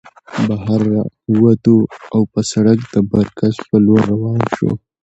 بهر راووتو او پۀ سړک د برکڅ په لور روان شو